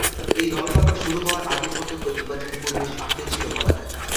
এই ধরপাকড় শুরু হওয়ার আগে পর্যন্ত নির্বাচনী পরিবেশ শান্তই ছিল বলা যায়।